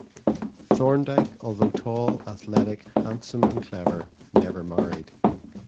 Thorndyke, although tall, athletic, handsome and clever, never married.